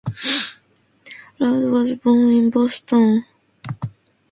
Lord was born in Boston, Massachusetts.